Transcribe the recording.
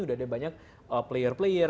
udah ada banyak player player